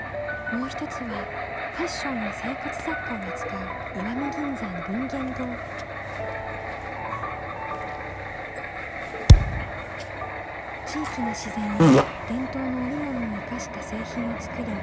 もう一つはファッションや生活雑貨を扱う地域の自然や伝統の織物を生かした製品を作り